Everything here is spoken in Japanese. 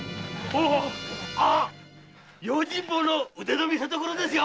用心棒の腕の見せどころですよ！